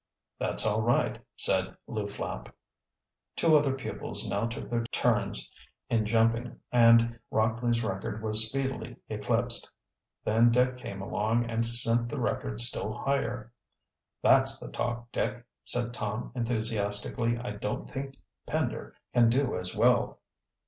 "That's all right," said Lew Flapp. Two other pupils now took their turns in jumping and Rockley's record was speedily eclipsed. Then Dick came along and sent the record still higher. "That's the talk, Dick," said Tom enthusiastically. "I don't think Pender can do as well."